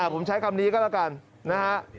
ผมใช้คำนี้ก็แล้วกันนะฮะ